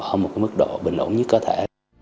ở một mức độ bình ổn nhất có thể